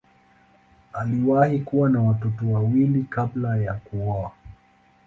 Aliwahi kuwa na watoto wawili kabla ya kuoa.